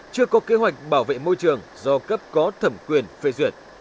chưa có kế hoạch bảo vệ môi trường do cấp có thẩm quyền phê duyệt